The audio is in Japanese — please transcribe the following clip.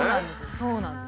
そうなんです。